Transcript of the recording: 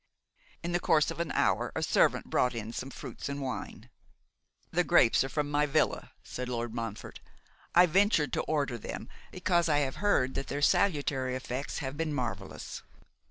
In the course of an hour a servant brought in some fruits and wine. 'The grapes are from my villa,' said Lord Montfort. 'I ventured to order them, because I have heard their salutary effects have been marvellous.